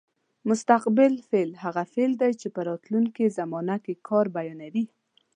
مستقبل فعل هغه فعل دی چې په راتلونکې زمانه کې کار بیانوي.